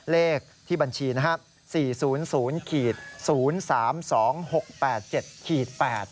เลขที่บัญชีนะครับ